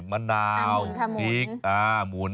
มันาวขะมูน